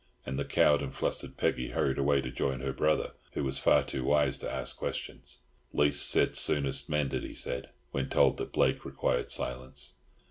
And the cowed and flustered Peggy hurried away to join her brother, who was far too wise to ask questions. "Least said soonest mended," he said, when told that Blake required silence.